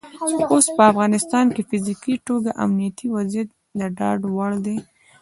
اوس په افغانستان کې په فزیکي توګه امنیتي وضعیت د ډاډ وړ دی.